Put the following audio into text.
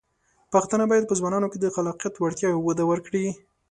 پښتانه بايد په ځوانانو کې د خلاقیت وړتیاوې وده ورکړي.